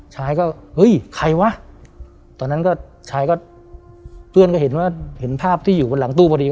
ชายก็เฮ้ยใครวะตอนนั้นก็ชายก็เพื่อนก็เห็นว่าเห็นภาพที่อยู่บนหลังตู้พอดี